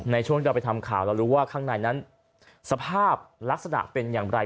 ในช่วงที่เราไปทำข่าวเรารู้ว่าข้างในนั้นสภาพลักษณะเป็นอย่างไร